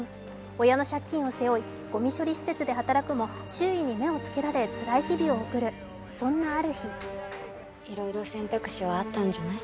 親の借金を背負い、ごみ処理施設で働くも周囲に目をつけられつらい日々を送る、そんなある日。